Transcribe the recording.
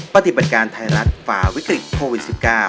ปฏิบัติการไทยรัฐฝ่าวิกฤตโควิด๑๙